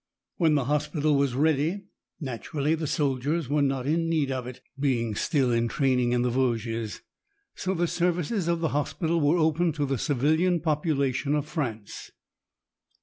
When the hospital was ready, naturally the soldiers were not in need of it being still in training in the Vosges so the services of the hospital were opened to the civilian population of France.